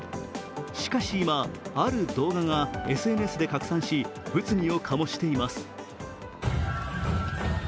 しかし今、ある動画がＳＮＳで拡散し、物議を醸しています。